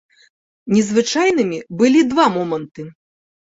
Незвычайнымі былі два моманты.